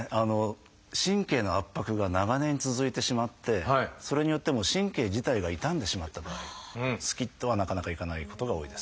神経の圧迫が長年続いてしまってそれによってもう神経自体が傷んでしまった場合スキッとはなかなかいかないことが多いです。